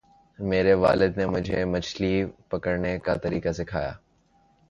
میرے والد نے مجھے مچھلی پکڑنے کا طریقہ سکھایا۔